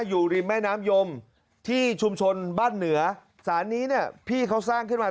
อยู่ริมแม่น้ำยมที่ชุมชนบ้านเหนือสารนี้เนี่ยพี่เขาสร้างขึ้นมา